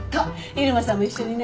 入間さんも一緒にね。